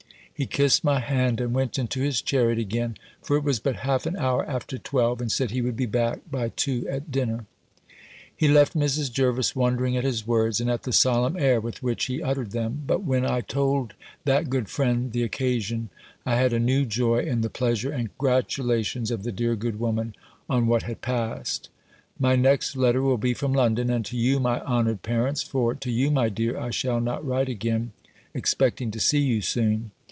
He kissed my hand, and went into his chariot again; for it was but half an hour after twelve; and said he would be back by two at dinner. He left Mrs. Jervis wondering at his words, and at the solemn air with which he uttered them. But when I told that good friend the occasion, I had a new joy in the pleasure and gratulations of the dear good woman, on what had passed. My next letter will be from London, and to you, my honoured parents; for to you, my dear, I shall not write again, expecting to see you soon.